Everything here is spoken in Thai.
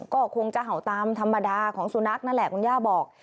ก็คงจะเห่าตามธรรมดาของสุนัขนั่นแหละคุณย่าบอก